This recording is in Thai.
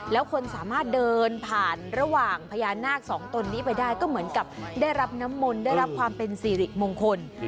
แล้วคนสามารถเดินผ่านระหว่างพญานาคสองตนนี้ไปได้ก็เหมือนกับได้รับน้ำมนต์ได้รับความเป็นสิริมงคล